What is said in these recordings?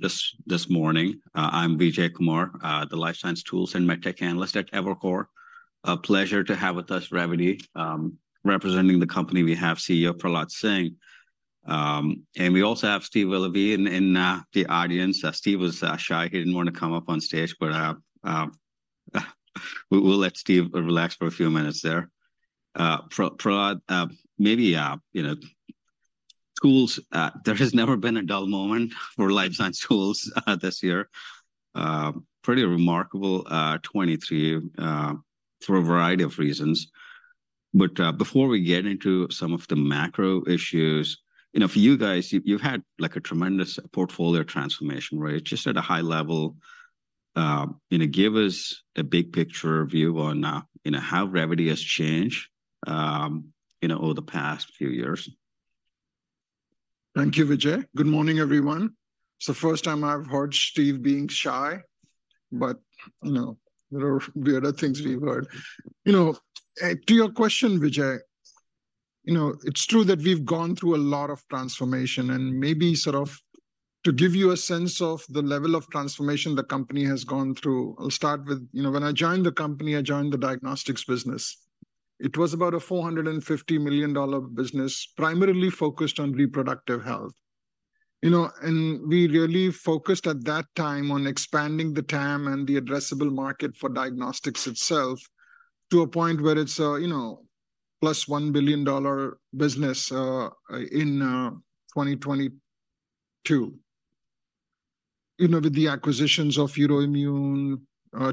This morning. I'm Vijay Kumar, the life science tools and med tech analyst at Evercore. A pleasure to have with us Revvity. Representing the company, we have CEO Prahlad Singh. And we also have Steve Willoughby in the audience. Steve was shy. He didn't wanna come up on stage, but we'll let Steve relax for a few minutes there. Prahlad, maybe you know, tools, there has never been a dull moment for life science tools this year. Pretty remarkable 2023 for a variety of reasons. But before we get into some of the macro issues, you know, for you guys, you've had, like, a tremendous portfolio transformation, right? Just at a high level, you know, give us a big picture view on, you know, how Revvity has changed, you know, over the past few years? Thank you, Vijay. Good morning, everyone. It's the first time I've heard Steve being shy, but, you know, there are weirder things we've heard. You know, to your question, Vijay, you know, it's true that we've gone through a lot of transformation, and maybe sort of to give you a sense of the level of transformation the company has gone through, I'll start with, you know, when I joined the company, I joined the diagnostics business. It was about a $450 million business, primarily focused on reproductive health. You know, and we really focused at that time on expanding the TAM and the addressable market for diagnostics itself to a point where it's, you know, plus $1 billion business, in 2022. You know, with the acquisitions of EUROIMMUN,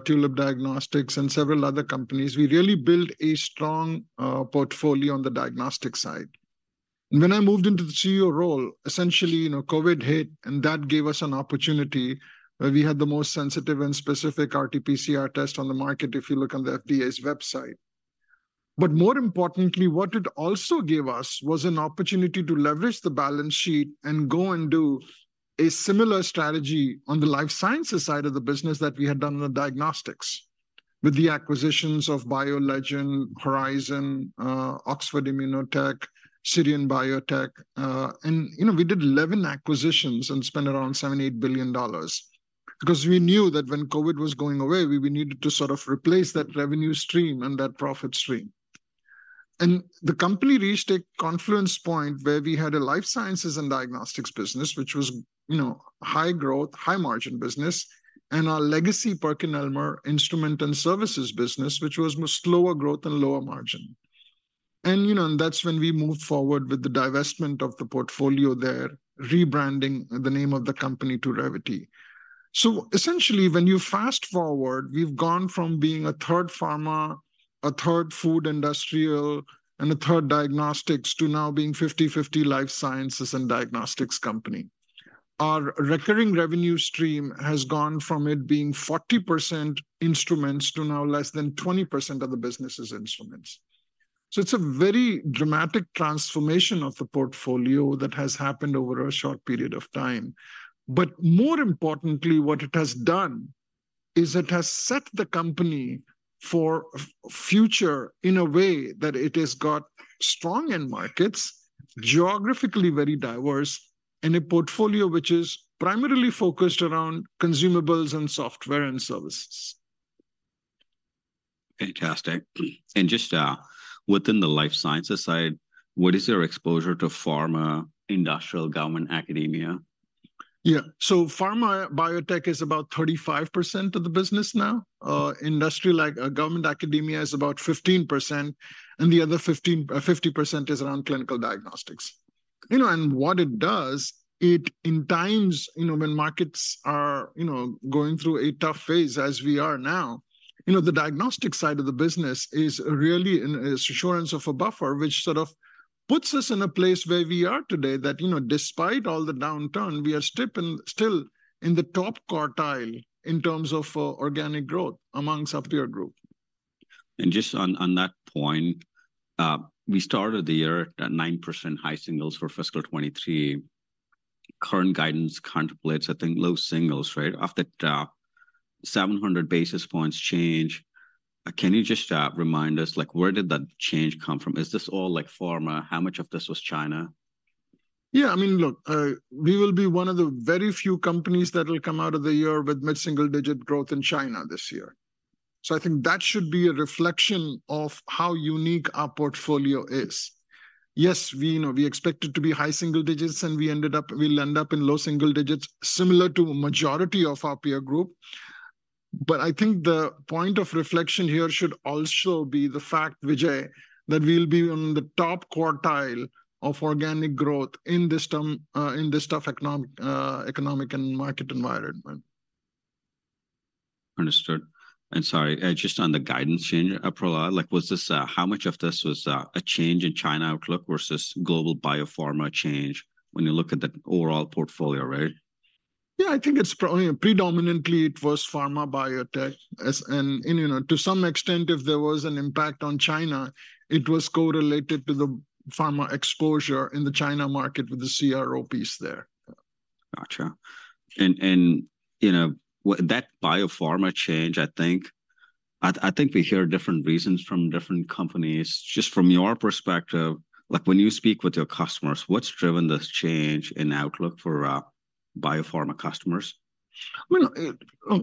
Tulip Diagnostics, and several other companies, we really built a strong, portfolio on the diagnostics side. And when I moved into the CEO role, essentially, you know, COVID hit, and that gave us an opportunity where we had the most sensitive and specific RT-PCR test on the market, if you look on the FDA's website. But more importantly, what it also gave us was an opportunity to leverage the balance sheet and go and do a similar strategy on the life sciences side of the business that we had done on the diagnostics, with the acquisitions of BioLegend, Horizon, Oxford Immunotec, SIRION Biotech. And, you know, we did 11 acquisitions and spent around $78 billion. Because we knew that when COVID was going away, we needed to sort of replace that revenue stream and that profit stream. The company reached a confluence point where we had a life sciences and diagnostics business, which was, you know, high growth, high margin business, and our legacy PerkinElmer instrument and services business, which was much slower growth and lower margin. And, you know, and that's when we moved forward with the divestment of the portfolio there, rebranding the name of the company to Revvity. So essentially, when you fast-forward, we've gone from being one-third pharma, one-third food, industrial, and one-third diagnostics, to now being 50/50 life sciences and diagnostics company. Our recurring revenue stream has gone from it being 40% instruments, to now less than 20% of the business is instruments. So it's a very dramatic transformation of the portfolio that has happened over a short period of time. More importantly, what it has done is it has set the company for future in a way that it has got strong end markets, geographically very diverse, and a portfolio which is primarily focused around consumables and software and services. Fantastic. And just, within the life sciences side, what is your exposure to pharma, industrial, government, academia? Yeah. So pharma, biotech is about 35% of the business now. Industrial, like, government, academia is about 15%, and the other 15, 50% is around clinical diagnostics. You know, and what it does, it, in times, you know, when markets are, you know, going through a tough phase, as we are now, you know, the diagnostics side of the business is really an, a source of a buffer, which sort of puts us in a place where we are today. That, you know, despite all the downturn, we are still in, still in the top quartile in terms of, organic growth amongst our peer group. Just on that point, we started the year at 9% high singles for fiscal 2023. Current guidance contemplates, I think, low singles, right? Off the top, 700 basis points change. Can you just remind us, like, where did that change come from? Is this all, like, pharma? How much of this was China? Yeah, I mean, look, we will be one of the very few companies that will come out of the year with mid-single-digit growth in China this year, so I think that should be a reflection of how unique our portfolio is. Yes, we know we expect it to be high single digits, and we ended up, we'll end up in low single digits, similar to a majority of our peer group. But I think the point of reflection here should also be the fact, Vijay, that we'll be on the top quartile of organic growth in this term, in this tough economic and market environment. Understood. Sorry, just on the guidance change, Prahlad, like, was this—how much of this was, a change in China outlook versus global biopharma change when you look at the overall portfolio, right? Yeah, I think it's probably predominantly it was pharma, biotech. And you know, to some extent, if there was an impact on China, it was correlated to the pharma exposure in the China market with the CRO piece there. Gotcha. And, and, you know, that biopharma change, I think, I, I think we hear different reasons from different companies. Just from your perspective, like, when you speak with your customers, what's driven this change in outlook for biopharma customers? Well,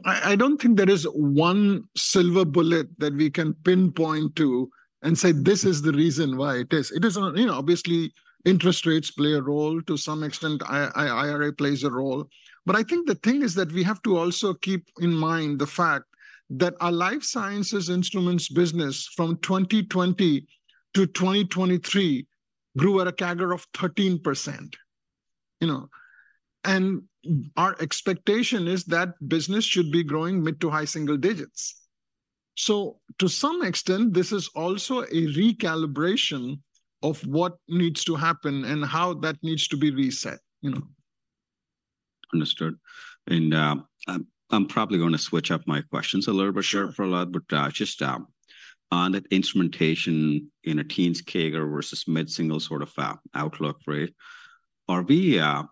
I don't think there is one silver bullet that we can Pin-point to and say, "This is the reason why it is." It is, you know, obviously interest rates play a role. To some extent, IRA plays a role. But I think the thing is that we have to also keep in mind the fact that our life sciences instruments business from 2020 to 2023 grew at a CAGR of 13%, you know? And our expectation is that business should be growing mid to high single digits. So to some extent, this is also a recalibration of what needs to happen and how that needs to be reset, you know. Understood. And, I'm probably gonna switch up my questions a little bit- Sure Prahlad, but, just, on that instrumentation in a teens CAGR versus mid-single sort of, outlook rate, are we, are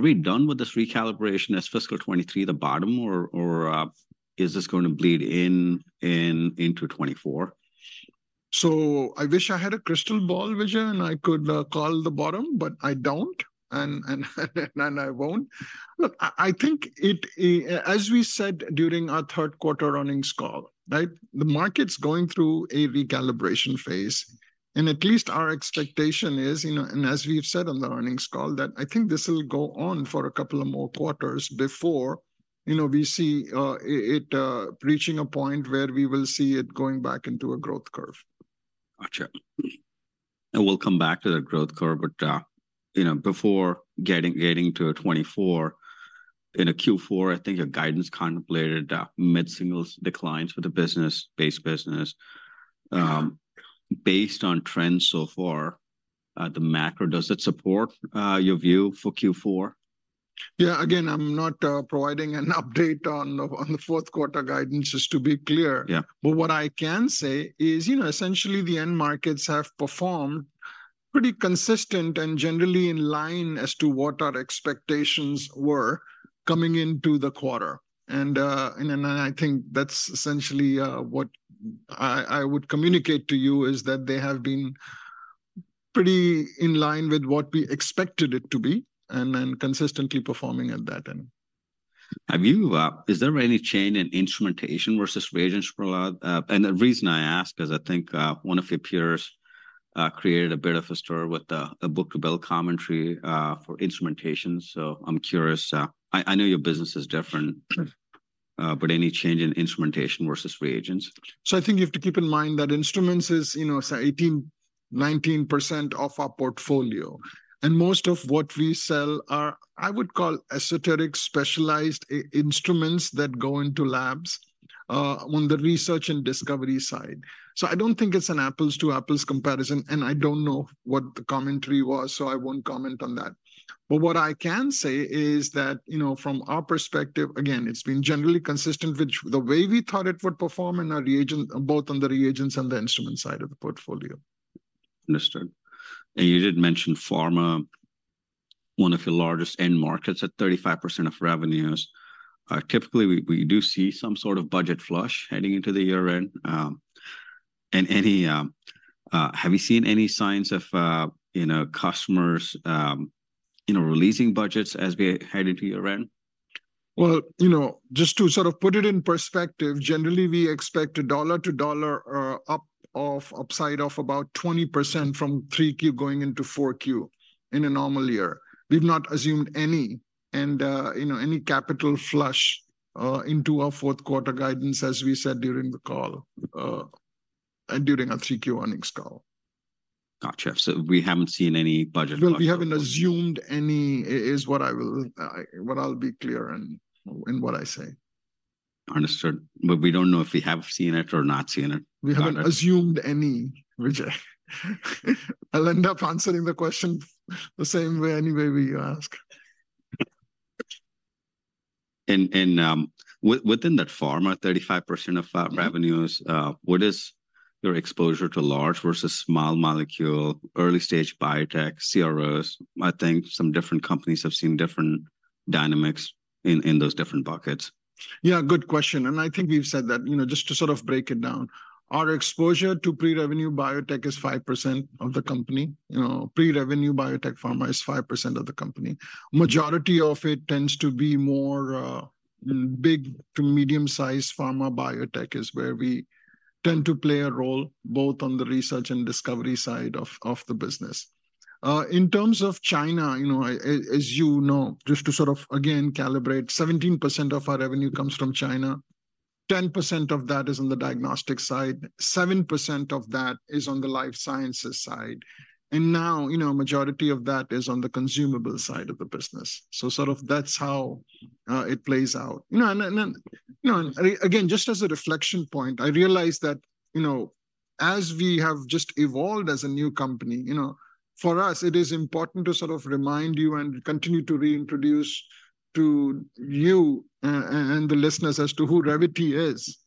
we done with this recalibration as fiscal 2023 the bottom, or, or, is this going to bleed in, in, into 2024? So I wish I had a crystal ball, Vijay, and I could call the bottom, but I don't, and I won't. Look, I think it. As we said during our Q3 earnings call, right? The market's going through a recalibration phase, and at least our expectation is, you know, and as we've said on the earnings call, that I think this will go on for a couple of more quarters before, you know, we see it reaching a point where we will see it going back into a growth curve. Gotcha. And we'll come back to the growth curve, but, you know, before getting to 2024, in Q4, I think your guidance contemplated mid-single declines for the business, base business. Based on trends so far, the macro, does it support your view for Q4? Yeah, again, I'm not providing an update on the Q4 guidance, just to be clear. Yeah. What I can say is, you know, essentially, the end markets have performed pretty consistent and generally in line as to what our expectations were coming into the quarter. And then I think that's essentially what I would communicate to you, is that they have been pretty in line with what we expected it to be and consistently performing at that end. Have you? Is there any change in instrumentation versus reagents, Prahlad? And the reason I ask is I think one of your peers created a bit of a stir with a book-to-bill commentary for instrumentation. So I'm curious. I know your business is different- Sure But any change in instrumentation versus reagents? So I think you have to keep in mind that instruments is, you know, say, 18%-19% of our portfolio, and most of what we sell are, I would call, esoteric, specialized instruments that go into labs on the research and discovery side. So I don't think it's an apples-to-apples comparison, and I don't know what the commentary was, so I won't comment on that. But what I can say is that, you know, from our perspective, again, it's been generally consistent with the way we thought it would perform in our reagent, both on the reagents and the instrument side of the portfolio. Understood. And you did mention pharma, one of your largest end markets, at 35% of revenues. Typically, we do see some sort of budget flush heading into the year-end. Have you seen any signs of, you know, customers, you know, releasing budgets as we head into year-end? Well, you know, just to sort of put it in perspective, generally, we expect a dollar-to-dollar upside of about 20% from 3Q going into 4Q in a normal year. We've not assumed any, you know, any capital flush into our Q4 guidance, as we said during the call, during our 3Q earnings call. Gotcha. So we haven't seen any budget flush- Well, we haven't assumed any is what I will, what I'll be clear in, in what I say. Understood. But we don't know if we have seen it or not seen it? We haven't assumed any, Vijay. I'll end up answering the question the same way any way we ask. Within that pharma, 35% of revenues, what is your exposure to large versus small molecule, early-stage biotech, CROs? I think some different companies have seen different dynamics in those different buckets. Yeah, good question, and I think we've said that. You know, just to sort of break it down, our exposure to pre-revenue biotech is 5% of the company. You know, pre-revenue biotech pharma is 5% of the company. Mm. Majority of it tends to be more big to medium-sized pharma biotech is where we tend to play a role, both on the research and discovery side of the business. In terms of China, you know, as you know, just to sort of, again, calibrate, 17% of our revenue comes from China. 10% of that is on the diagnostic side, 7% of that is on the life sciences side, and now, you know, majority of that is on the consumable side of the business. So sort of that's how it plays out. You know, and then, you know, again, just as a reflection point, I realize that, you know, as we have just evolved as a new company, you know, for us, it is important to sort of remind you and continue to reintroduce to you and the listeners as to who Revvity is,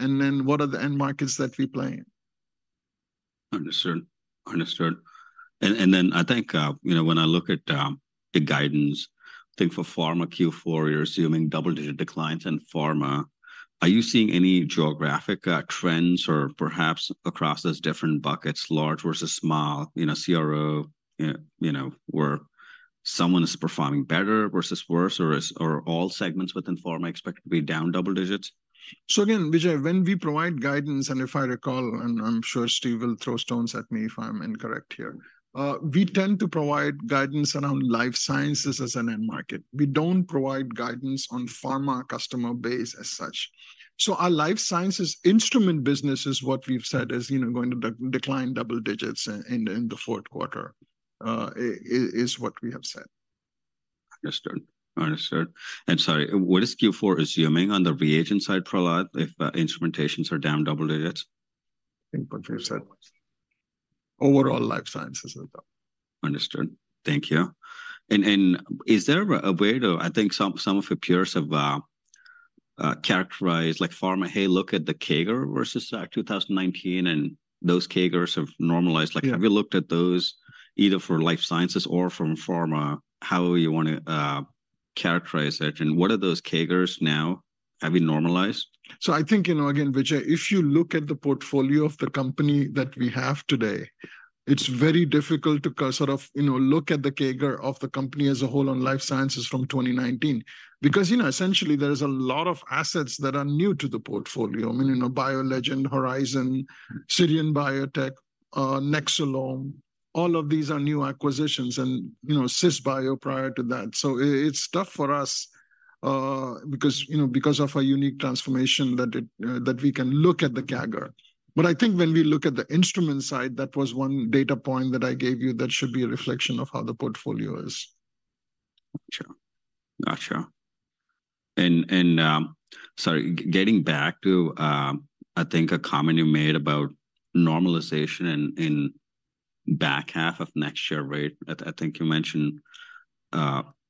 and then what are the end markets that we play in? Understood, understood. And then I think, you know, when I look at the guidance, I think for pharma Q4, you're assuming double-digit declines in pharma. Are you seeing any geographic trends or perhaps across those different buckets, large versus small, you know, CRO, you know, where someone is performing better versus worse, or are all segments within pharma expected to be down double digits? So again, Vijay, when we provide guidance, and if I recall, and I'm sure Steve will throw stones at me if I'm incorrect here, we tend to provide guidance around life sciences as an end market. We don't provide guidance on pharma customer base as such. So our life sciences instrument business is what we've said is, you know, going to decline double digits in the Q4, is what we have said. Understood. Understood. Sorry, what is Q4 assuming on the reagent side, Prahlad, if instrumentations are down double digits? I think what we've said. Overall, life sciences is down. Understood. Thank you. And is there a way to—I think some of your peers have characterized, like pharma, "Hey, look at the CAGR versus 2019," and those CAGRs have normalized. Yeah. Like, have you looked at those, either for life sciences or from pharma, however you want to characterize it? What are those CAGRs now? Have we normalized? So I think, you know, again, Vijay, if you look at the portfolio of the company that we have today, it's very difficult to sort of, you know, look at the CAGR of the company as a whole on life sciences from 2019. Because, you know, essentially there is a lot of assets that are new to the portfolio. I mean, you know, BioLegend, Horizon, Sirion Biotech, Nexcelom, all of these are new acquisitions and, you know, Cisbio prior to that. So it's tough for us, because, you know, because of our unique transformation, that we can look at the CAGR. But I think when we look at the instrument side, that was one data point that I gave you that should be a reflection of how the portfolio is. Gotcha. Gotcha. Sorry, getting back to, I think a comment you made about normalization in back half of next year, right? I think you mentioned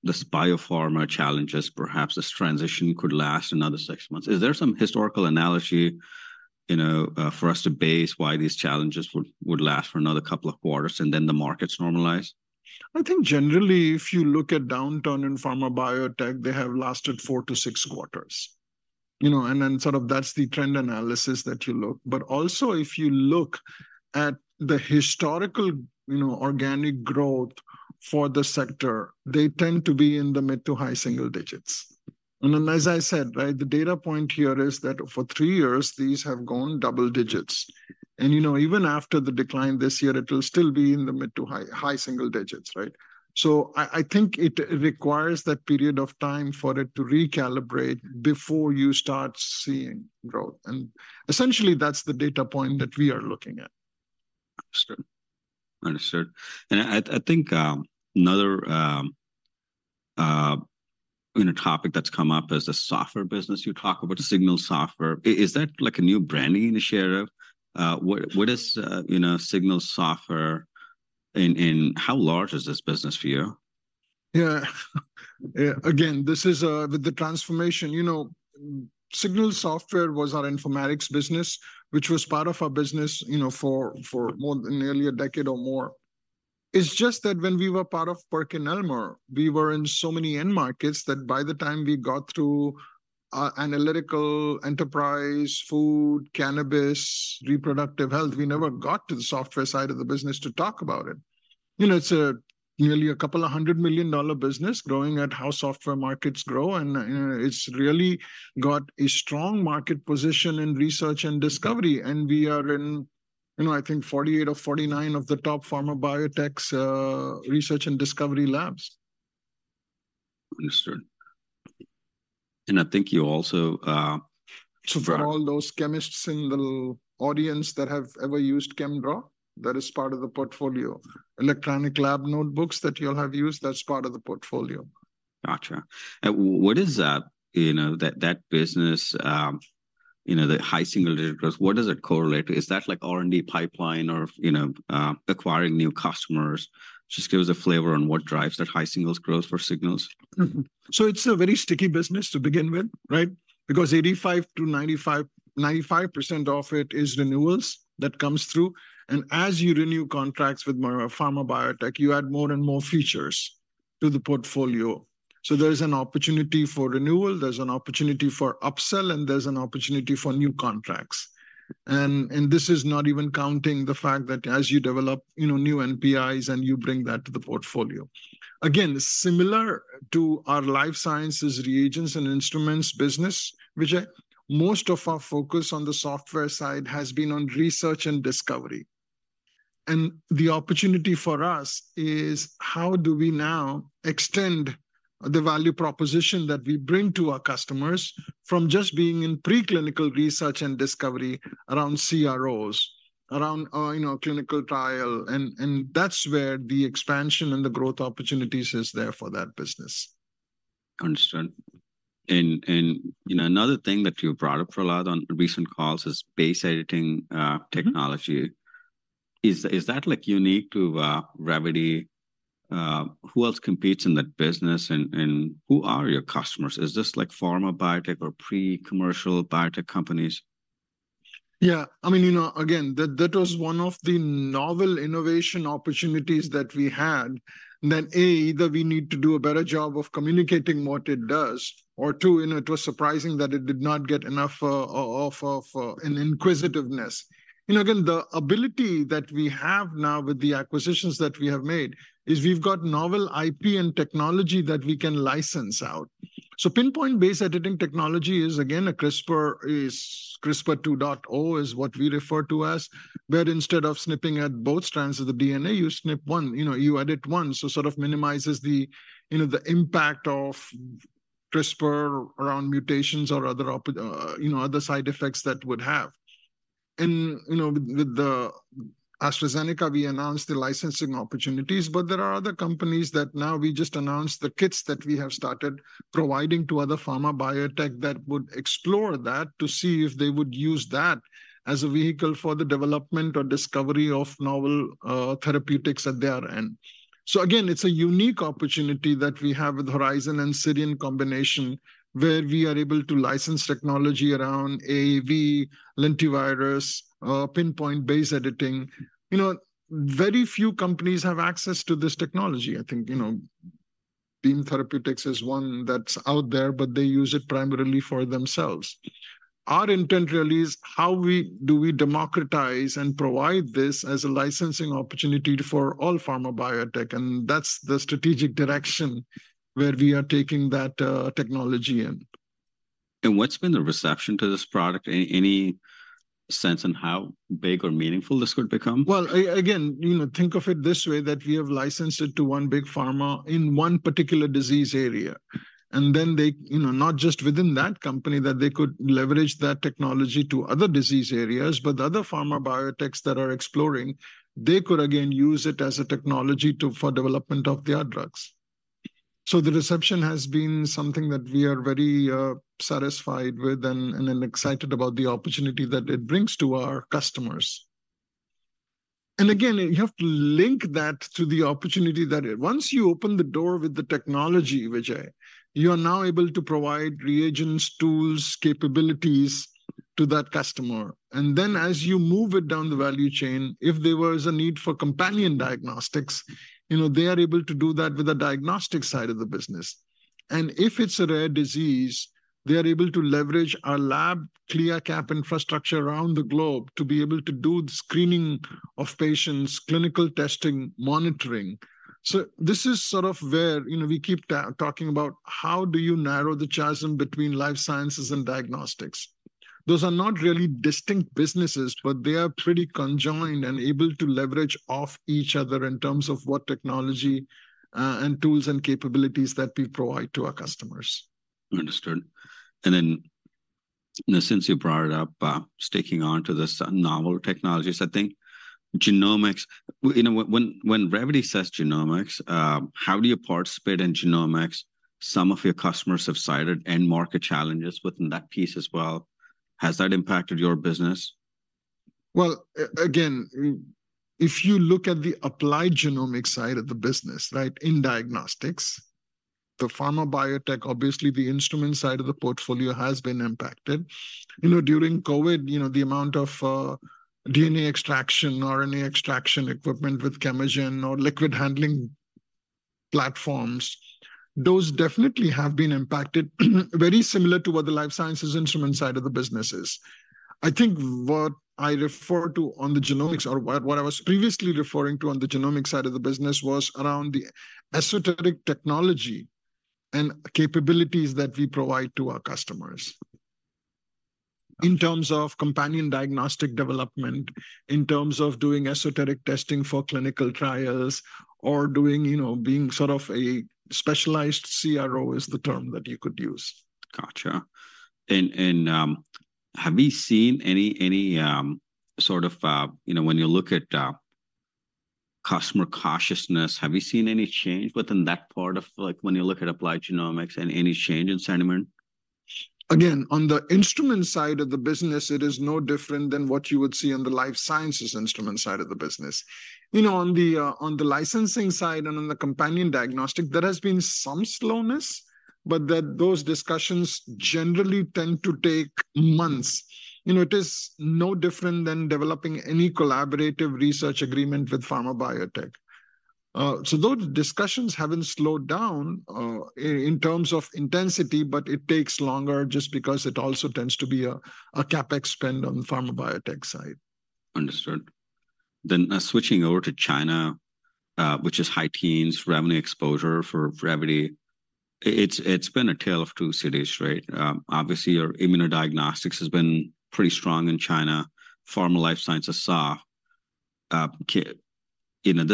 these biopharma challenges, perhaps this transition could last another six months. Is there some historical analogy, you know, for us to base why these challenges would last for another couple of quarters, and then the markets normalize? I think generally, if you look at downturn in pharma biotech, they have lasted 4-6 quarters, you know. And then sort of that's the trend analysis that you look. But also, if you look at the historical, you know, organic growth for the sector, they tend to be in the mid to high single digits. And then, as I said, right, the data point here is that for 3 years, these have gone double digits. And, you know, even after the decline this year, it will still be in the mid to high, high single digits, right? So I, I think it, it requires that period of time for it to recalibrate before you start seeing growth. And essentially, that's the data point that we are looking at. Understood. Understood. And I, I think, another, you know, topic that's come up is the software business. You talk about Signals software. Is that, like, a new branding initiative? What, what is, you know, Signals software and, and how large is this business for you? Yeah. Yeah, again, this is, with the transformation. You know, Signals software was our informatics business, which was part of our business, you know, for, for more than nearly a decade or more. It's just that when we were part of PerkinElmer, we were in so many end markets, that by the time we got through our analytical, enterprise, food, cannabis, reproductive health, we never got to the software side of the business to talk about it. You know, it's nearly a couple of $200 million business growing at how software markets grow, and, it's really got a strong market position in research and discovery, and we are in, you know, I think 48 or 49 of the top pharma biotechs', research and discovery labs. Understood. And I think you also, For all those chemists in the audience that have ever used ChemDraw, that is part of the portfolio. Electronic lab notebooks that you'll have used, that's part of the portfolio. Gotcha. And what is, you know, that business, you know, the high single-digit growth, what does it correlate to? Is that like R&D pipeline or, you know, acquiring new customers? Just give us a flavor on what drives that high singles growth for Signals. Mm-hmm. So it's a very sticky business to begin with, right? Because 85%-95% of it is renewals that comes through, and as you renew contracts with more pharma biotech, you add more and more features to the portfolio. So there's an opportunity for renewal, there's an opportunity for upsell, and there's an opportunity for new contracts. And, and this is not even counting the fact that as you develop, you know, new NPIs, and you bring that to the portfolio. Again, similar to our life sciences reagents and instruments business, Vijay, most of our focus on the software side has been on research and discovery. And the opportunity for us is how do we now extend the value proposition that we bring to our customers from just being in preclinical research and discovery around CROs, around, you know, clinical trial? That's where the expansion and the growth opportunities is there for that business. Understood. And, you know, another thing that you brought up, Prahlad, on recent calls is base editing technology. Mm-hmm. Is that, like, unique to Revvity? Who else competes in that business, and who are your customers? Is this like pharma biotech or pre-commercial biotech companies? Yeah. I mean, you know, again, that, that was one of the novel innovation opportunities that we had, that, A, either we need to do a better job of communicating what it does, or two, you know, it was surprising that it did not get enough of an inquisitiveness. You know, again, the ability that we have now with the acquisitions that we have made is we've got novel IP and technology that we can license out. So Pin-point base editing technology is, again, a CRISPR, is CRISPR 2.0 is what we refer to as, where instead of snipping at both strands of the DNA, you snip one. You know, you edit one, so sort of minimizes the, you know, the impact of CRISPR around mutations or other side effects that would have. You know, with the AstraZeneca, we announced the licensing opportunities, but there are other companies that now we just announced the kits that we have started providing to other pharma biotech that would explore that to see if they would use that as a vehicle for the development or discovery of novel therapeutics at their end. So again, it's a unique opportunity that we have with Horizon and SIRION combination, where we are able to license technology around AAV, lentivirus, Pin-point base editing. You know, very few companies have access to this technology. I think, you know, Beam Therapeutics is one that's out there, but they use it primarily for themselves. Our intent really is how do we democratize and provide this as a licensing opportunity for all pharma biotech, and that's the strategic direction where we are taking that technology in. What's been the reception to this product? Any, any sense on how big or meaningful this could become? Well, again, you know, think of it this way, that we have licensed it to one big pharma in one particular disease area. And then they, you know, not just within that company, that they could leverage that technology to other disease areas, but other pharma biotechs that are exploring, they could again use it as a technology to... for development of their drugs. So the reception has been something that we are very satisfied with and excited about the opportunity that it brings to our customers. And again, you have to link that to the opportunity that once you open the door with the technology, Vijay, you are now able to provide reagents, tools, capabilities to that customer. Then, as you move it down the value chain, if there was a need for companion diagnostics, you know, they are able to do that with the diagnostic side of the business. If it's a rare disease, they are able to leverage our lab CLIA CAP infrastructure around the globe to be able to do the screening of patients, clinical testing, monitoring. This is sort of where, you know, we keep talking about how do you narrow the chasm between life sciences and diagnostics? Those are not really distinct businesses, but they are pretty conjoined and able to leverage off each other in terms of what technology, and tools and capabilities that we provide to our customers. Understood. Then, you know, since you brought it up, sticking on to this novel technologies, I think genomics... You know, when Gravity says genomics, how do you participate in genomics? Some of your customers have cited end market challenges within that piece as well. Has that impacted your business? Well, again, if you look at the applied genomic side of the business, right, in diagnostics, the pharma biotech, obviously, the instrument side of the portfolio has been impacted. You know, during COVID, you know, the amount of, DNA extraction, RNA extraction equipment with Chemagen or liquid handling platforms, those definitely have been impacted, very similar to what the life sciences instrument side of the business is. I think what I refer to on the genomics, or what I was previously referring to on the genomics side of the business, was around the esoteric technology and capabilities that we provide to our customers. In terms of companion diagnostic development, in terms of doing esoteric testing for clinical trials, or doing, you know, being sort of a specialized CRO, is the term that you could use. Gotcha. And have you seen any sort of, you know, when you look at customer cautiousness, have you seen any change within that part of, like, when you look at applied genomics, and any change in sentiment? Again, on the instrument side of the business, it is no different than what you would see on the life sciences instrument side of the business. You know, on the licensing side and on the companion diagnostic, there has been some slowness, but those discussions generally tend to take months. You know, it is no different than developing any collaborative research agreement with pharma biotech. So those discussions haven't slowed down in terms of intensity, but it takes longer just because it also tends to be a CapEx spend on the pharma biotech side. Understood. Then, switching over to China, which is high teens revenue exposure for Revvity, it's, it's been a tale of two cities, right? Obviously, your immunodiagnostics has been pretty strong in China. Pharma life sciences saw you know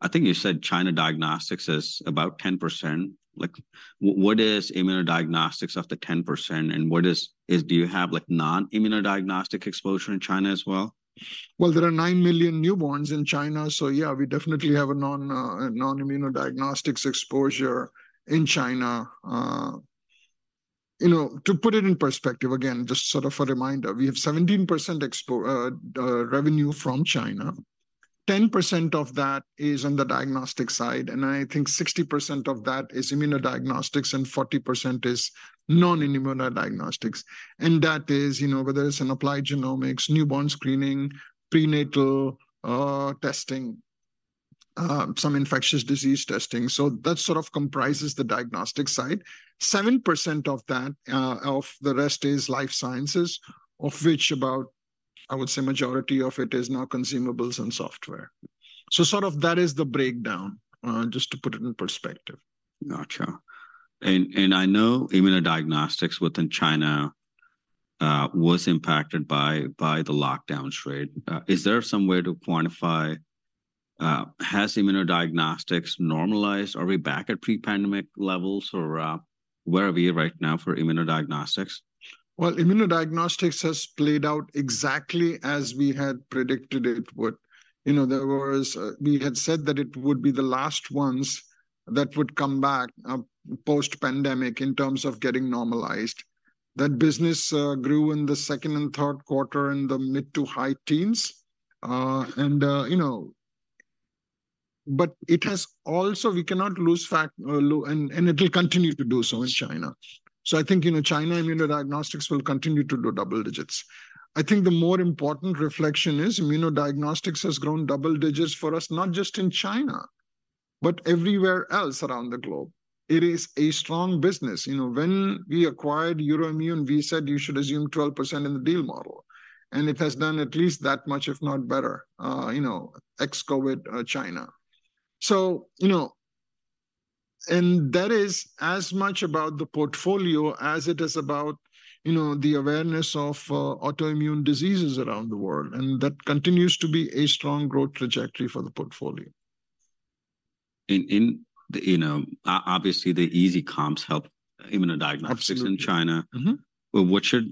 I think you said China diagnostics is about 10%. Like, what is immunodiagnostics of the 10%, and what is do you have, like, non-immunodiagnostic exposure in China as well? Well, there are 9 million newborns in China, so yeah, we definitely have a non-immunodiagnostics exposure in China, you know, to put it in perspective, again, just sort of a reminder, we have 17% revenue from China. 10% of that is on the diagnostic side, and I think 60% of that is immunodiagnostics, and 40% is non-immunodiagnostics. And that is, you know, whether it's in applied genomics, newborn screening, prenatal testing, some infectious disease testing. So that sort of comprises the diagnostic side. 7% of that, of the rest is life sciences, of which about, I would say, majority of it is now consumables and software. So sort of that is the breakdown, just to put it in perspective. Gotcha. And I know immunodiagnostics within China was impacted by the lockdown trade. Is there some way to quantify has immunodiagnostics normalized? Are we back at pre-pandemic levels, or where are we right now for immunodiagnostics? Well, immunodiagnostics has played out exactly as we had predicted it would. You know, we had said that it would be the last ones that would come back post-pandemic in terms of getting normalized. That business grew in the second and Q3 in the mid to high teens. You know, but it has also, we cannot lose sight of the fact, and it will continue to do so in China. So I think, you know, China immunodiagnostics will continue to do double digits. I think the more important reflection is immunodiagnostics has grown double digits for us, not just in China, but everywhere else around the globe. It is a strong business. You know, when we acquired EUROIMMUN, we said you should assume 12% in the deal model, and it has done at least that much, if not better, you know, ex-COVID, China. So, you know, and that is as much about the portfolio as it is about, you know, the awareness of, autoimmune diseases around the world, and that continues to be a strong growth trajectory for the portfolio. you know, obviously, the easy comps help immunodiagnostics- Absolutely. -in China. Mm-hmm. But what should,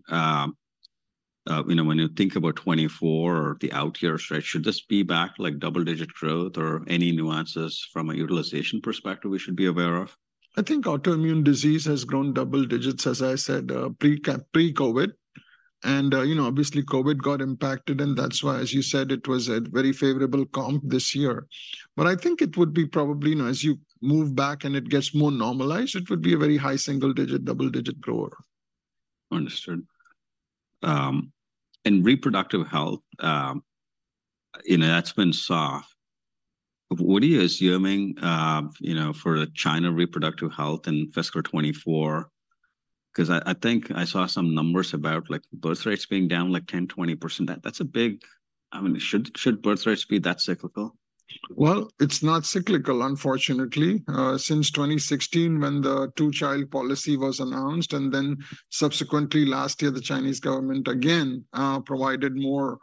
you know, when you think about 2024 or the out years, right, should this be back, like, double-digit growth, or any nuances from a utilization perspective we should be aware of? I think autoimmune disease has grown double digits, as I said, pre-COVID. And, you know, obviously, COVID got impacted, and that's why, as you said, it was a very favorable comp this year. But I think it would be probably, you know, as you move back and it gets more normalized, it would be a very high single digit, double-digit grower. Understood. And reproductive health, you know, that's been soft. What are you assuming, you know, for China reproductive health in fiscal 2024? 'Cause I think I saw some numbers about, like, birth rates being down, like, 10%-20%. That's a big... I mean, should birth rates be that cyclical? Well, it's not cyclical, unfortunately. Since 2016, when the two-child policy was announced, and then subsequently last year, the Chinese government again provided more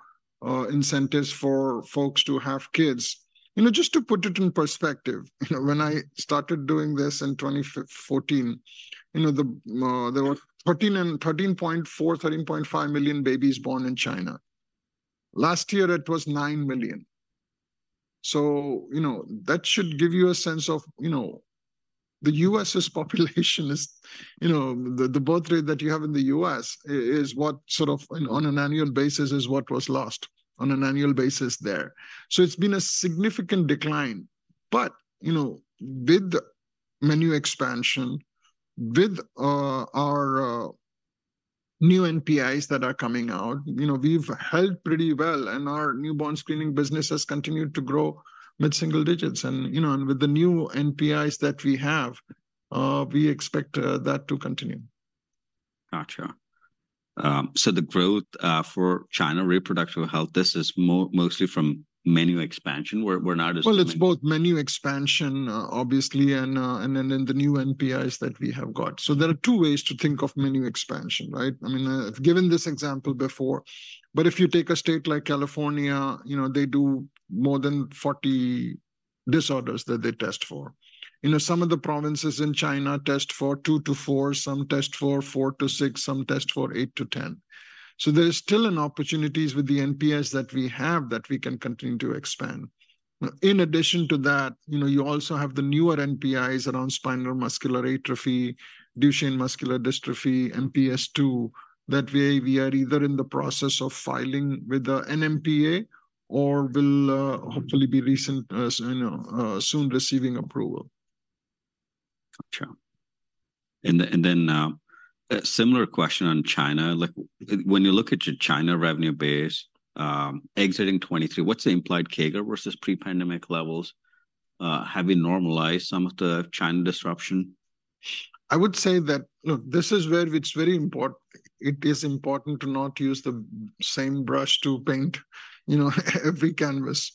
incentives for folks to have kids. You know, just to put it in perspective, you know, when I started doing this in 2014, you know, the, there were 13.4-13.5 million babies born in China. Last year, it was 9 million. So, you know, that should give you a sense of, you know, the US's population is, you know, the birth rate that you have in the US is what sort of on an annual basis is what was lost on an annual basis there. So it's been a significant decline. But, you know, with the menu expansion, with our new NPIs that are coming out, you know, we've held pretty well, and our newborn screening business has continued to grow mid-single digits. And, you know, and with the new NPIs that we have, we expect that to continue. Gotcha. So the growth for China reproductive health, this is mostly from menu expansion. We're, we're not just- Well, it's both menu expansion, obviously, and, and then, then the new NPIs that we have got. So there are two ways to think of menu expansion, right? I mean, I've given this example before, but if you take a state like California, you know, they do more than 40 disorders that they test for. You know, some of the provinces in China test for 2-4, some test for 4-6, some test for 8-10. So there's still an opportunities with the NPIs that we have that we can continue to expand. In addition to that, you know, you also have the newer NPIs around spinal muscular atrophy, Duchenne muscular dystrophy, MPS II, that we, we are either in the process of filing with the NMPA or will, hopefully be recent, you know, soon receiving approval. Gotcha. And then, a similar question on China. Like, when you look at your China revenue base, exiting 2023, what's the implied CAGR versus pre-pandemic levels? Have you normalized some of the China disruption? I would say that, look, this is where it is important to not use the same brush to paint, you know, every canvas.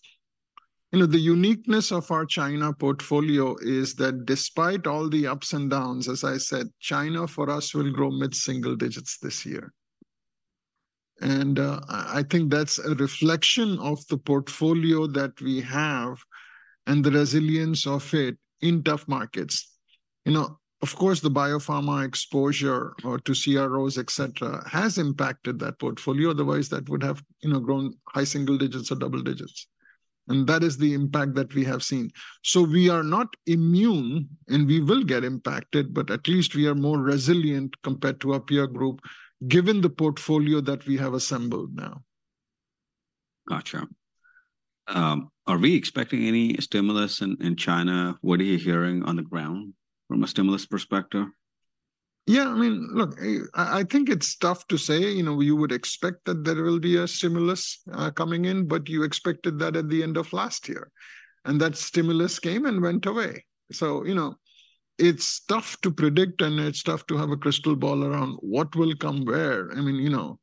You know, the uniqueness of our China portfolio is that despite all the ups and downs, as I said, China, for us, will grow mid-single digits this year. And I think that's a reflection of the portfolio that we have and the resilience of it in tough markets. You know, of course, the biopharma exposure to CROs, et cetera, has impacted that portfolio. Otherwise, that would have, you know, grown high single digits or double digits, and that is the impact that we have seen. So we are not immune, and we will get impacted, but at least we are more resilient compared to our peer group, given the portfolio that we have assembled now. Gotcha. Are we expecting any stimulus in China? What are you hearing on the ground from a stimulus perspective? Yeah, I mean, look, I, I think it's tough to say. You know, you would expect that there will be a stimulus coming in, but you expected that at the end of last year, and that stimulus came and went away. So, you know, it's tough to predict, and it's tough to have a crystal ball around what will come where. I mean, you know,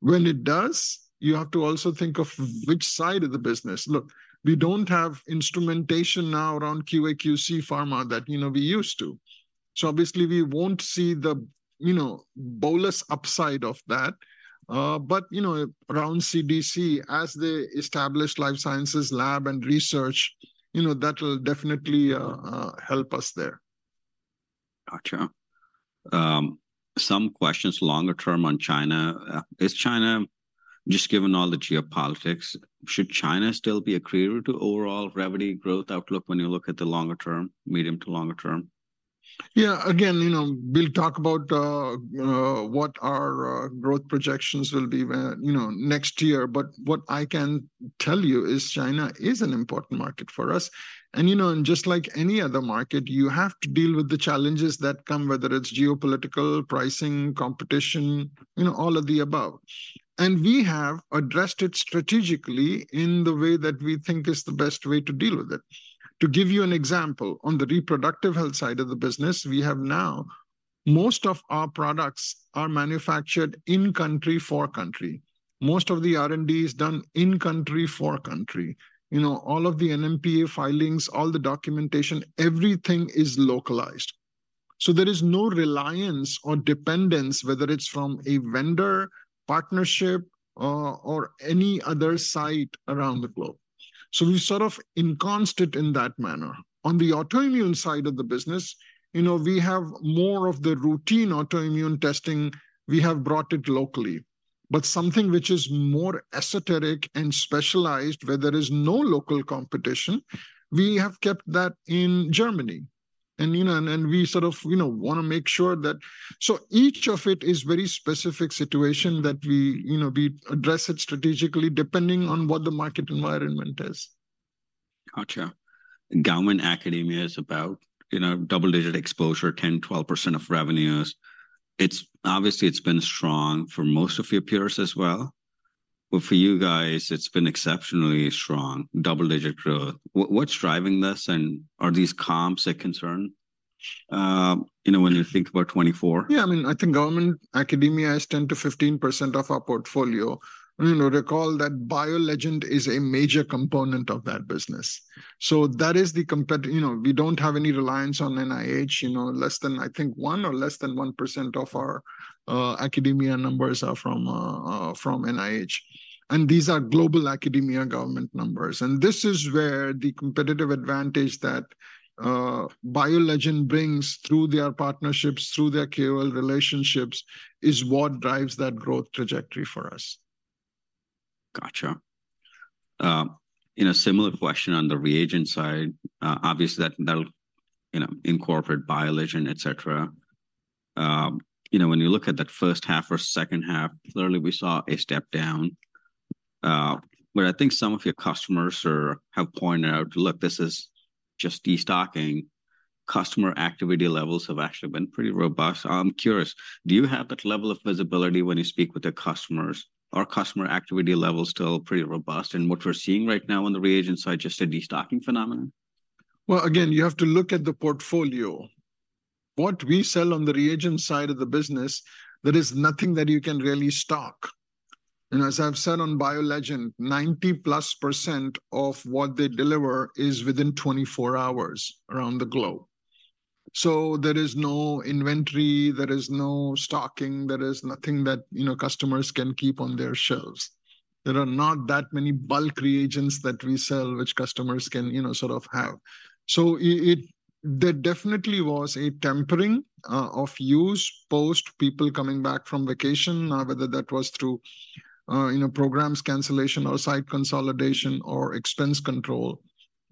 when it does, you have to also think of which side of the business. Look, we don't have instrumentation now around QA/QC pharma that, you know, we used to. So obviously, we won't see the, you know, bolus upside of that. But, you know, around CDC, as they establish life sciences lab and research, you know, that will definitely help us there. Gotcha. Some questions longer term on China. Is China, just given all the geopolitics, should China still be a creator to overall revenue growth outlook when you look at the longer term, medium to longer term? Yeah, again, you know, we'll talk about what our growth projections will be when, you know, next year. But what I can tell you is China is an important market for us, and, you know, and just like any other market, you have to deal with the challenges that come, whether it's geopolitical, pricing, competition, you know, all of the above. And we have addressed it strategically in the way that we think is the best way to deal with it. To give you an example, on the reproductive health side of the business, we have now. Most of our products are manufactured in country for country. Most of the R&D is done in country for country. You know, all of the NMPA filings, all the documentation, everything is localized. So there is no reliance or dependence, whether it's from a vendor, partnership, or any other site around the globe. So we sort of encamped it in that manner. On the autoimmune side of the business, you know, we have more of the routine autoimmune testing, we have brought it locally. But something which is more esoteric and specialized, where there is no local competition, we have kept that in Germany. And, you know, we sort of, you know, wanna make sure that. So each of it is very specific situation that we, you know, we address it strategically, depending on what the market environment is. Gotcha. Government, academia is about, you know, double-digit exposure, 10%-12% of revenues. It's... Obviously, it's been strong for most of your peers as well, but for you guys, it's been exceptionally strong, double-digit growth. What's driving this, and are these comps a concern, you know, when you think about 2024? Yeah, I mean, I think government, academia is 10%-15% of our portfolio. You know, recall that BioLegend is a major component of that business. So that is-- You know, we don't have any reliance on NIH. You know, less than, I think, 1% or less than 1% of our academia numbers are from NIH, and these are global academia government numbers. And this is where the competitive advantage that BioLegend brings through their partnerships, through their KOL relationships, is what drives that growth trajectory for us. Gotcha. In a similar question on the reagent side, obviously, that, that'll, you know, incorporate BioLegend, et cetera. You know, when you look at that first half or second half, clearly we saw a step down, where I think some of your customers have pointed out, "Look, this is just destocking." Customer activity levels have actually been pretty robust. I'm curious, do you have that level of visibility when you speak with the customers? Are customer activity levels still pretty robust, and what we're seeing right now on the reagent side, just a destocking phenomenon? Well, again, you have to look at the portfolio. What we sell on the reagent side of the business, there is nothing that you can really stock. And as I've said on BioLegend, 90%+ of what they deliver is within 24 hours around the globe. So there is no inventory, there is no stocking, there is nothing that, you know, customers can keep on their shelves. There are not that many bulk reagents that we sell, which customers can, you know, sort of have. So it. There definitely was a tempering of use post people coming back from vacation, whether that was through, you know, programs cancellation or site consolidation or expense control.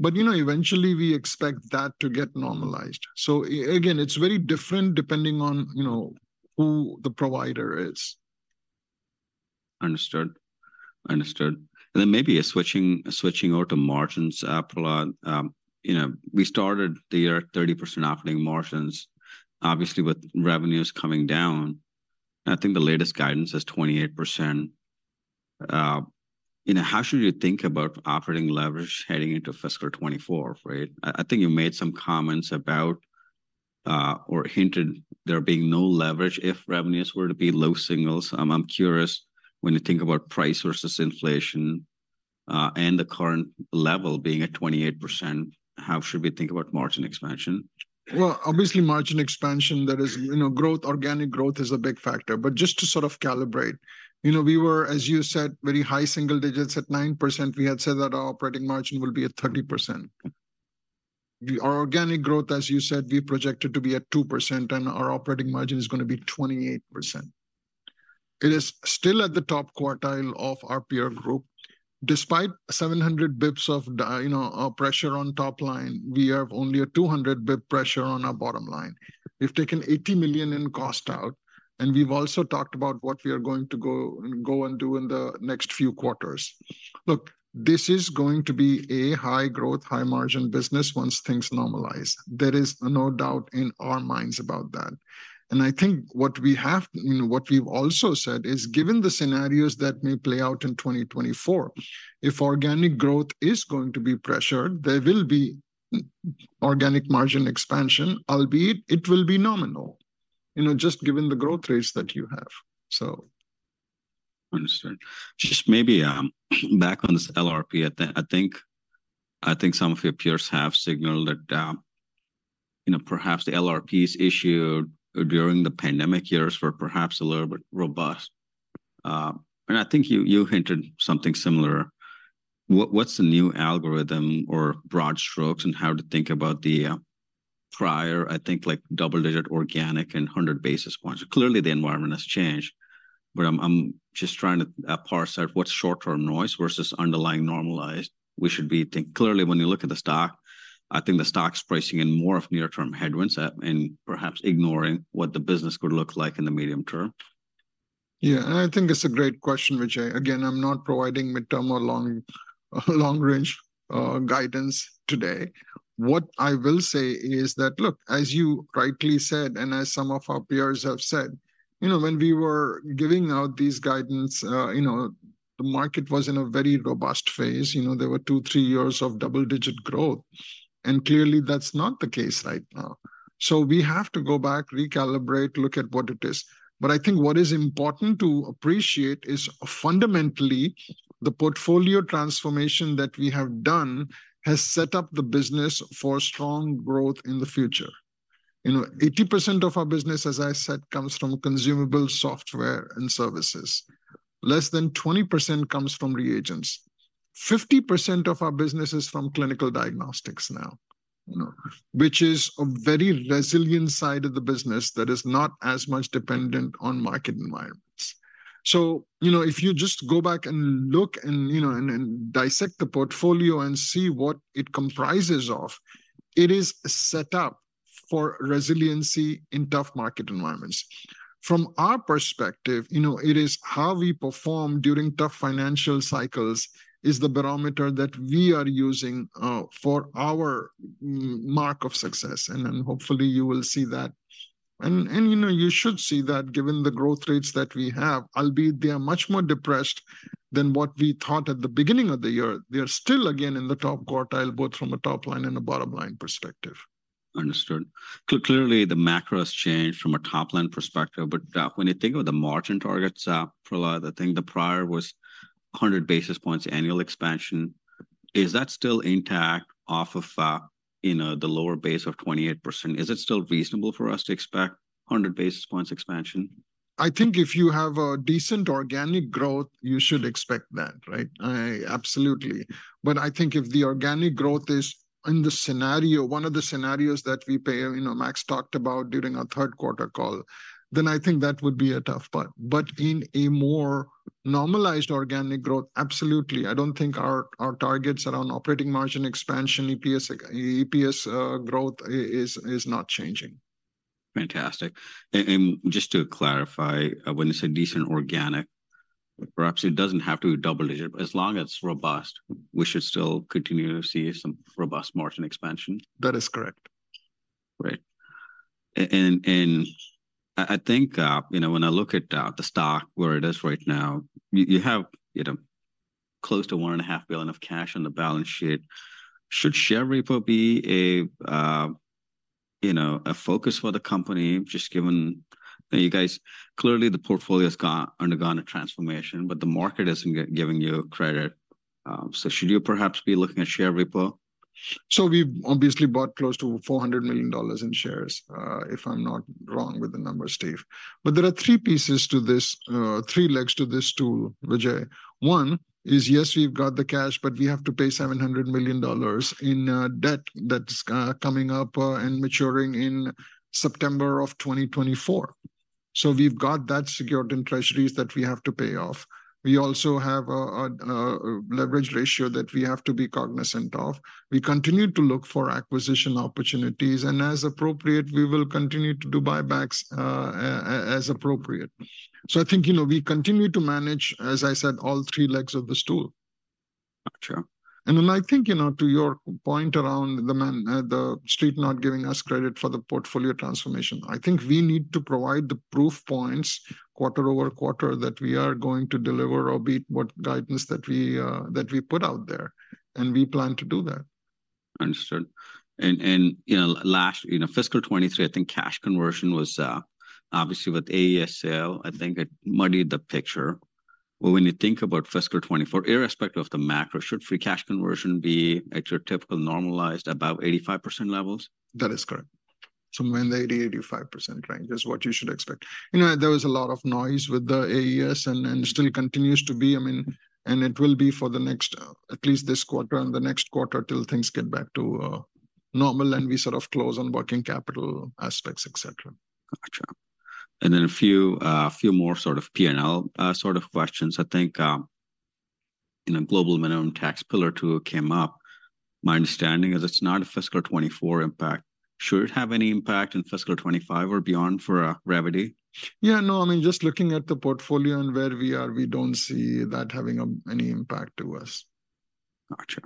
But, you know, eventually, we expect that to get normalized. So again, it's very different depending on, you know, who the provider is. Understood. Understood. Then maybe switching over to margins, Prahlad. You know, we started the year at 30% operating margins. Obviously, with revenues coming down, I think the latest guidance is 28%. You know, how should we think about operating leverage heading into fiscal 2024, right? I think you made some comments about or hinted there being no leverage if revenues were to be low singles. I'm curious, when you think about price versus inflation and the current level being at 28%, how should we think about margin expansion? Well, obviously, margin expansion, that is, you know, growth, organic growth is a big factor. But just to sort of calibrate, you know, we were, as you said, very high single digits. At 9%, we had said that our operating margin will be at 30%. Our organic growth, as you said, we projected to be at 2%, and our operating margin is gonna be 28%. It is still at the top quartile of our peer group. Despite 700 basis points of you know, pressure on top line, we have only a 200 basis points pressure on our bottom line. We've taken $80 million in cost out, and we've also talked about what we are going to go and do in the next few quarters. Look, this is going to be a high-growth, high-margin business once things normalize. There is no doubt in our minds about that. I think what we have, you know, what we've also said is, given the scenarios that may play out in 2024, if organic growth is going to be pressured, there will be organic margin expansion, albeit it will be nominal, you know, just given the growth rates that you have, so. Understood. Just maybe back on this LRP, I think some of your peers have signaled that, you know, perhaps the LRPs issued during the pandemic years were perhaps a little bit robust. And I think you hinted something similar. What's the new algorithm or broad strokes in how to think about the prior, I think, like, double-digit organic and 100 basis points? Clearly, the environment has changed, but I'm just trying to parse out what's short-term noise versus underlying normalized. Clearly, when you look at the stock, I think the stock's pricing in more of near-term headwinds, and perhaps ignoring what the business could look like in the medium term. Yeah, I think it's a great question, Vijay. Again, I'm not providing midterm or long, long-range guidance today. What I will say is that, look, as you rightly said, and as some of our peers have said, you know, when we were giving out these guidance, you know, the market was in a very robust phase. You know, there were 2-3 years of double-digit growth, and clearly, that's not the case right now. So we have to go back, recalibrate, look at what it is. But I think what is important to appreciate is, fundamentally, the portfolio transformation that we have done has set up the business for strong growth in the future. You know, 80% of our business, as I said, comes from consumable software and services. Less than 20% comes from reagents. 50% of our business is from clinical diagnostics now, you know, which is a very resilient side of the business that is not as much dependent on market environments. So, you know, if you just go back and look and, you know, and dissect the portfolio and see what it comprises of, it is set up for resiliency in tough market environments. From our perspective, you know, it is how we perform during tough financial cycles is the barometer that we are using for our mark of success, and then hopefully you will see that. You know, you should see that, given the growth rates that we have, albeit they are much more depressed than what we thought at the beginning of the year. They are still again in the top quartile, both from a top-line and a bottom-line perspective. Understood. Clearly, the macro has changed from a top-line perspective, but, when you think of the margin targets, Prahlad, I think the prior was 100 basis points annual expansion. Is that still intact off of, you know, the lower base of 28%? Is it still reasonable for us to expect 100 basis points expansion? I think if you have a decent organic growth, you should expect that, right? Absolutely. But I think if the organic growth is in the scenario, one of the scenarios that we pay, you know, Max talked about during our Q3 call, then I think that would be a tough part, but in a more normalized organic growth, absolutely. I don't think our targets around operating margin expansion, EPS, EPS, growth is not changing. Fantastic. And, just to clarify, when you say decent organic, perhaps it doesn't have to be double digit, but as long as it's robust, we should still continue to see some robust margin expansion? That is correct. Great. And I think, you know, when I look at the stock, where it is right now, you have, you know, close to $1.5 billion of cash on the balance sheet. Should share repo be a focus for the company, just given... You guys, clearly the portfolio's undergone a transformation, but the market isn't giving you credit. So should you perhaps be looking at share repo? So we've obviously bought close to $400 million in shares, if I'm not wrong with the number, Steve. But there are three pieces to this, three legs to this stool, Vijay. One is, yes, we've got the cash, but we have to pay $700 million in debt that is coming up and maturing in September of 2024. So we've got that secured in treasuries that we have to pay off. We also have a leverage ratio that we have to be cognizant of. We continue to look for acquisition opportunities, and as appropriate, we will continue to do buybacks, as appropriate. So I think, you know, we continue to manage, as I said, all three legs of the stool. Gotcha. And then I think, you know, to your point around the Street not giving us credit for the portfolio transformation, I think we need to provide the proof points quarter-over-quarter that we are going to deliver or beat what guidance that we, that we put out there, and we plan to do that. Understood. And, you know, last, you know, fiscal 2023, I think cash conversion was, obviously, with AES sale, I think it muddied the picture. But when you think about fiscal 2024, irrespective of the macro, should free cash conversion be at your typical normalized, above 85% levels? That is correct. So in the 80%-85% range is what you should expect. You know, there was a lot of noise with the AES and still continues to be, I mean, and it will be for the next, at least this quarter and the next quarter, till things get back to normal, and we sort of close on working capital aspects, et cetera. Gotcha. Then a few more sort of P&L, sort of questions. I think, you know, global minimum tax Pillar Two came up. My understanding is it's not a fiscal 2024 impact. Should it have any impact in fiscal 2025 or beyond for Revvity? Yeah, no, I mean, just looking at the portfolio and where we are, we don't see that having any impact to us. Gotcha.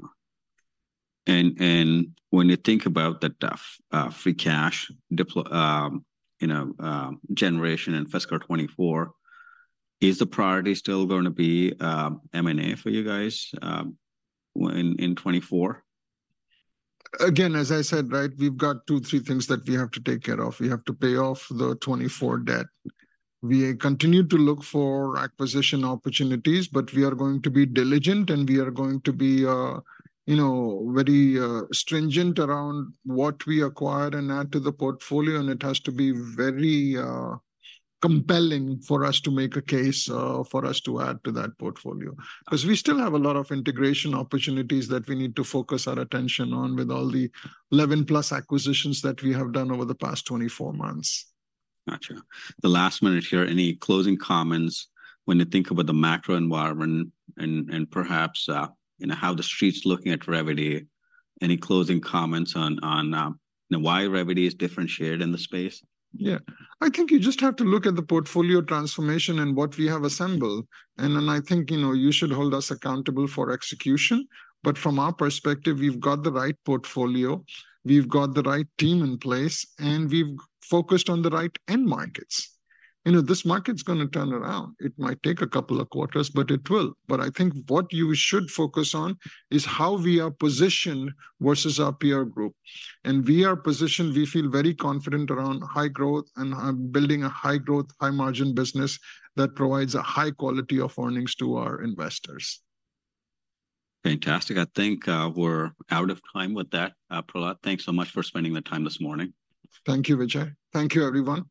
And when you think about the free cash, you know, generation in fiscal 2024, is the priority still gonna be M&A for you guys in 2024? Again, as I said, right, we've got two, three things that we have to take care of. We have to pay off the 2024 debt. We continue to look for acquisition opportunities, but we are going to be diligent, and we are going to be, you know, very stringent around what we acquire and add to the portfolio. And it has to be very compelling for us to make a case for us to add to that portfolio. 'Cause we still have a lot of integration opportunities that we need to focus our attention on with all the 11-plus acquisitions that we have done over the past 24 months. Gotcha. The last minute here, any closing comments when you think about the macro environment and perhaps, you know, how the street's looking at Revvity? Any closing comments on, you know, why Revvity is differentiated in the space? Yeah. I think you just have to look at the portfolio transformation and what we have assembled, and then I think, you know, you should hold us accountable for execution. But from our perspective, we've got the right portfolio, we've got the right team in place, and we've focused on the right end markets. You know, this market's gonna turn around. It might take a couple of quarters, but it will. But I think what you should focus on is how we are positioned versus our peer group, and we are positioned... We feel very confident around high growth and building a high-growth, high-margin business that provides a high quality of earnings to our investors. Fantastic. I think, we're out of time with that, Prahlad. Thanks so much for spending the time this morning. Thank you, Vijay. Thank you, everyone.